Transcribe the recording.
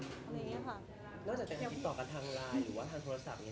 นอกจากว่าฝีตอบกันทางไลน์ทางโทรศัพท์